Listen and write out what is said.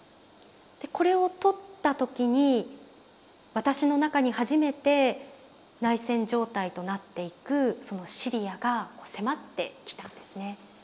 でこれを撮った時に私の中に初めて内戦状態となっていくそのシリアが迫ってきたんですね。